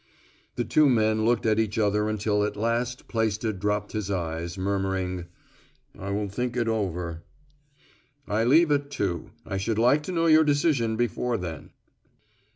The two men looked at each other until at last Plaisted dropped his eyes murmuring, "I will think it over." "I leave at two. I should like to know your decision before then."